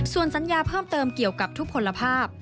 ส่วนสัญญาเพิ่มเติมเกี่ยวกับทุกคนภาพ